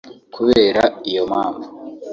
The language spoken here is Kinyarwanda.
Kubera iyo mpamvu